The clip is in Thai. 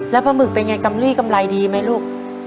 แล้วปลาหมึกเป็นไงกำลี่กำไรดีไหมลูก